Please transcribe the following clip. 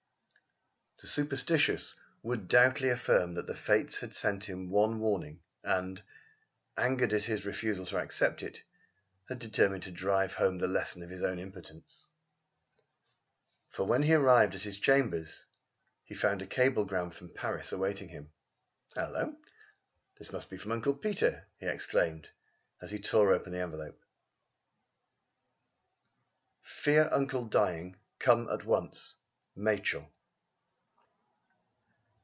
The superstitious would doubtless affirm that the Fates had sent him one warning and, angered at his refusal to accept it, had determined to drive home the lesson of his own impotence. For when he arrived at his chambers he found a cablegram from Paris awaiting him. "Hullo, this must be from Uncle Peter!" he exclaimed, as he tore open the envelope. "_Fear uncle dying. Come at once. Machell.